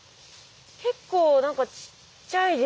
結構何かちっちゃいですね。